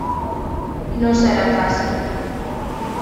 No serà fàcil.